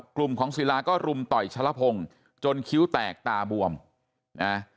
กลุ่มของศิลาก็รุมต่อยชะละพงศ์จนคิ้วแตกตาบวมนะ